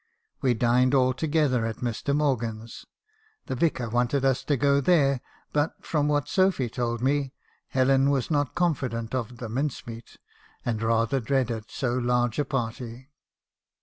We dined all together at Mr. Morgan's (the Vicar wanted us to go there ; but, from what Sophy told me, Helen was not confident of the mince meat, and rather dreaded so large a party).